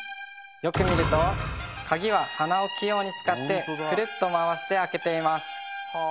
よく見ると鍵は鼻を器用に使ってクルッと回して開けています